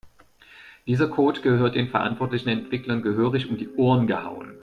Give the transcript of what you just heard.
Dieser Code gehört den verantwortlichen Entwicklern gehörig um die Ohren gehauen.